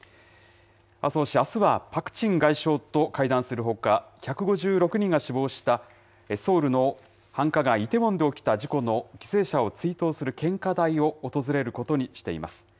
麻生氏、あすはパク・チン外相と会談するほか、１５６人が死亡したソウルの繁華街、イテウォンで起きた事故の犠牲者を追悼する献花台を訪れることにしています。